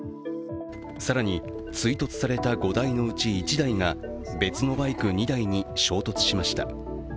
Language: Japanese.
更に追突された５台のうち１台が別のバイク２台に衝突しました。